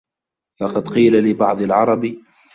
فَقَدْ قِيلَ لِبَعْضِ الْعَرَبِ